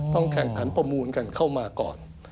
แข่งขันประมูลกันเข้ามาก่อน